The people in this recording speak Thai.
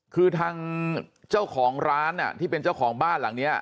คือทางเจ้าของร้านที่เป็นเจ้าของบ้านหลังนี้